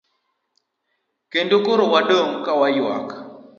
Kendo koro wadong' kawaywak.